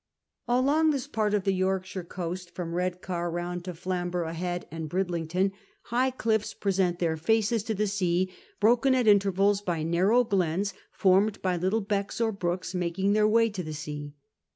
Along this part of the Yorkshire coast, from Kcdcar round to FlamboroUgh Head and Bridlington, liigli cliff's present their faces to tlie sea, broken at intervals by narrow glens formed by little becks or brooks making their way to the sea.